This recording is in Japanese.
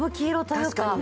確かに。